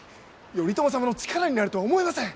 頼朝様の力になるとは思えません。